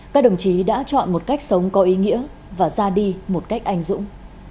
các đồng chí đã chọn một cách sống có ý nghĩa và ra đi một cách anh dũng